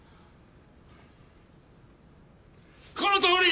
このとおり！